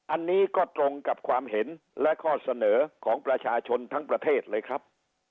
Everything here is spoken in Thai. อันนี้ก็ตรงกับความเห็นและข้อเสนอของประชาชนทั้งประเทศเลยครับ